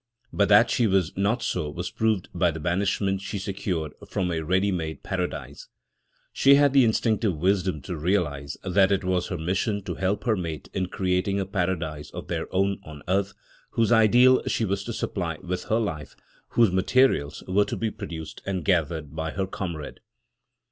But that she was not so was proved by the banishment she secured from a ready made Paradise. She had the instinctive wisdom to realise that it was her mission to help her mate in creating a Paradise of their own on earth, whose ideal she was to supply with her life, whose materials were to be produced and gathered by her comrade.